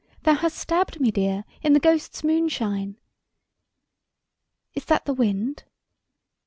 Thou hast stabbed me dear. In the ghosts' moonshine. Is that the wind